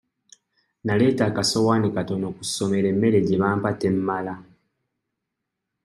Naleeta akasowaani katono ku ssomero emmere gye bampa temmala.